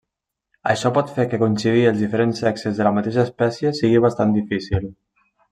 Això pot fer que coincidir els diferents sexes de la mateixa espècie sigui bastant difícil.